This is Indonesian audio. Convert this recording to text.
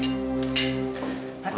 kan kesukaan mama